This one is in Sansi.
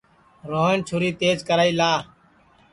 روہن چُھری تیج کرائی لا